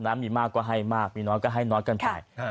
มีมากก็ให้มากมีน้อยก็ให้น้อยกันไป